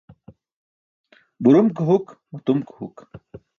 Burum ke huk, matum ke huk.